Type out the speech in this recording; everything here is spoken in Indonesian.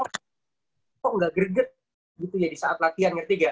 koko ga greget gitu ya di saat latihan ngerti ga